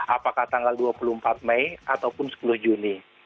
apakah tanggal dua puluh empat mei ataupun sepuluh juni